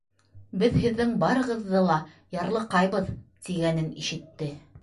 —Беҙ һеҙҙең барығыҙҙы ла ярлыҡайбыҙ! —тигәнен ишетте.